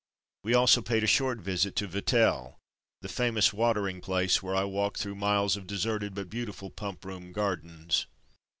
We also paid a short visit to Vittel, the famous watering place, where I walked through miles of deserted but beautiful Pump Room gardens.